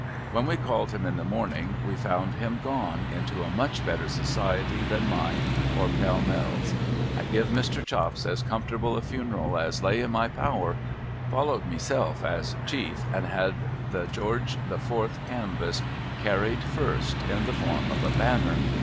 When we called him in the morning, we found him gone into a much better Society than mine or Pall Mall's. I giv Mr. Chops as comfortable a funeral as lay in my power, followed myself as Chief, and had the George the Fourth canvass carried first, in the form of a banner.